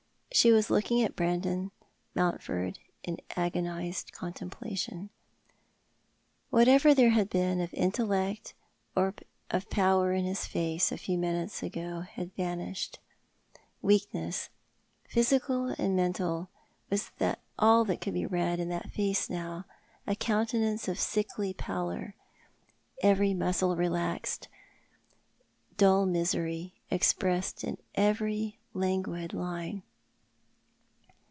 She was looking at Brandon Mountford in agonised contemplation. Whatever there bad been of intellect or of power in his face a few minutes ago had vanished. Weakness, physical and mental, was all that could be read in that face now, a countenance of sickly pallor, every muscle relaxed, dull misery expressed iu every languid line.